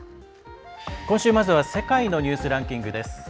今週まずは「世界のニュースランキング」です。